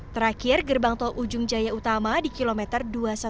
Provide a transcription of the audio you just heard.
terakhir gerbang tol ujung jaya utama di kilometer dua ratus sepuluh